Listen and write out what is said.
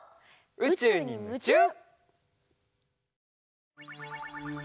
「うちゅうにムチュー」！